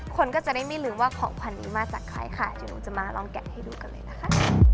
คนก็จะได้ไม่ลืมว่าของพันนี้มาจากใครค่ะเดี๋ยวหนูจะมาลองแกะให้ดูกันเลยนะคะ